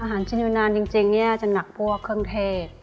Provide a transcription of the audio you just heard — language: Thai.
อาหารจีนอยู่นานจริงจะหนักพวกเครื่องเทศ